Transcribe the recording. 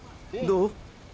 どう？